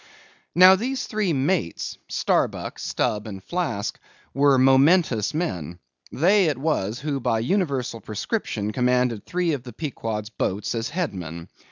Now these three mates—Starbuck, Stubb, and Flask, were momentous men. They it was who by universal prescription commanded three of the Pequod's boats as headsmen.